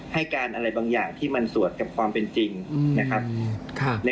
ให้การอะไรบางอย่างที่มันสวดกับความเป็นจริงนะครับ